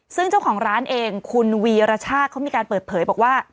ซึ่งเจ้าของร้านเองคุณวีรชาติเขามีการเปิดเผยบอกว่า